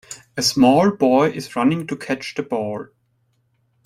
A small boy is running to catch the ball